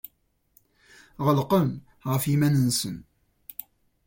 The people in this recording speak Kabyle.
Ɣelqen ɣef yiman-nsen.